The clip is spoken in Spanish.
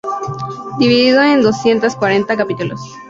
Dividido en doscientos cuarenta capítulos.